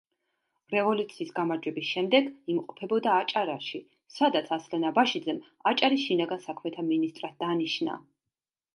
რევოლუციის გამარჯვების შემდეგ იმყოფებოდა აჭარაში, სადაც ასლან აბაშიძემ აჭარის შინაგან საქმეთა მინისტრად დანიშნა.